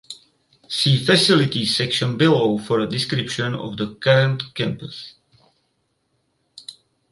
See "facilities" section below for a description of the current campus.